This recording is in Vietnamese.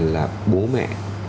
là bố mẹ